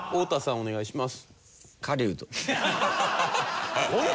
お願いします。